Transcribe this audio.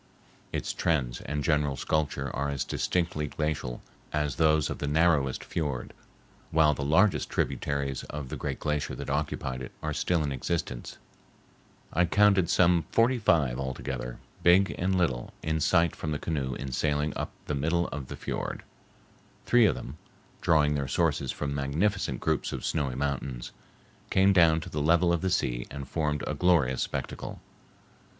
Its trends and general sculpture are as distinctly glacial as those of the narrowest fiord, while the largest tributaries of the great glacier that occupied it are still in existence. I counted some forty five altogether, big and little, in sight from the canoe in sailing up the middle of the fiord. Three of them, drawing their sources from magnificent groups of snowy mountains, came down to the level of the sea and formed a glorious spectacle.